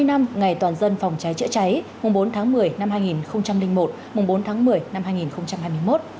bảy mươi năm ngày toàn dân phòng cháy chữa cháy mùng bốn tháng một mươi năm hai nghìn một mùng bốn tháng một mươi năm hai nghìn hai mươi một